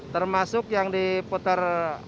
termasuk yang diputar